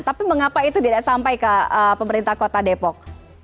tapi mengapa itu tidak sampai ke pemerintah kota depok